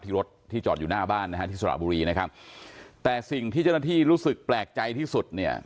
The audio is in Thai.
รถที่จอดอยู่หน้าบ้านนะฮะที่สระบุรีนะครับแต่สิ่งที่เจ้าหน้าที่รู้สึกแปลกใจที่สุดเนี่ย